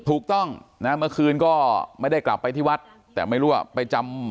ถูกต้องนะเมื่อคืนก็ไม่ได้กลับไปที่วัดแต่ไม่รู้ว่าไปจำ